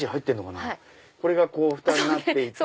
これがふたになっていて。